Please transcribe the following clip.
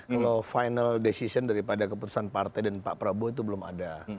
kalau final decision daripada keputusan partai dan pak prabowo itu belum ada